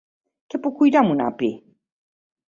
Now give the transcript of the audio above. Què puc cuinar amb un api?